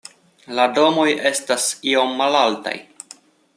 La domoj estas iom malaltaj.